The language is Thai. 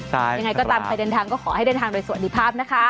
ยังไงก็ตามใครเดินทางก็ขอให้เดินทางโดยสวัสดีภาพนะคะ